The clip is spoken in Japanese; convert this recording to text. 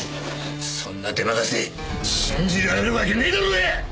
そんなデマカセ信じられるわけねえだろうが！